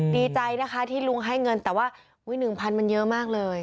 ดีใจนะคะที่ลุงให้เงินแต่ว่า๑๐๐มันเยอะมากเลย